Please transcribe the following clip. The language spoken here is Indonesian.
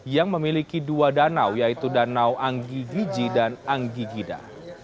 yang memiliki dua danau yaitu danau anggigiji dan anggigida